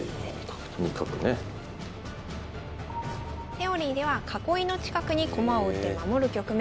セオリーでは囲いの近くに駒を置いて守る局面。